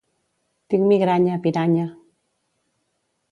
Tinc migranya, piranya.